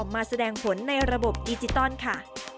มาแสดงผลในระบบดิจิตอลค่ะ